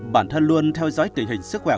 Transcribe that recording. bản thân luôn theo dõi tình hình sức khỏe